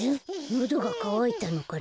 のどがかわいたのかな？